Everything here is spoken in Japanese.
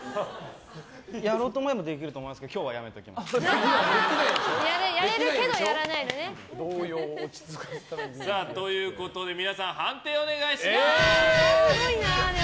やろうと思えばできると思いますがやれるけどやらないのね。ということで皆さん、判定をお願いします。